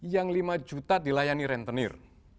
yang lima juta dilayani rentenir